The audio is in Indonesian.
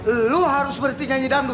lu harus berhenti nyanyi dambut